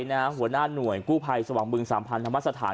หัวหน้าหน่วยกู้ภัยสว่างบึงสามพันธรรมสถาน